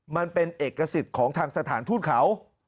มันเป็นเอกสิทธิ์ของทางสถานทูตเขา